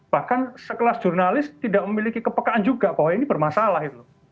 bahkan sekelas jurnalis tidak memiliki kepekaan juga bahwa ini bermasalah itu